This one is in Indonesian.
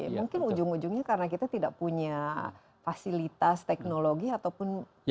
mungkin ujung ujungnya karena kita tidak punya fasilitas teknologi ataupun